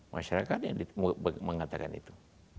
masyarakat yang mengatakan itu